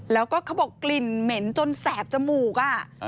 แล้วก็เขาบอกกลิ่นเหม็นจนแสบจมูก